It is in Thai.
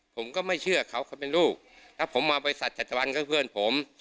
ผมก็ไม่เชื่อเขาเขาเป็นลูกแล้วผมมาบริษัทจัตวัลก็เพื่อนผม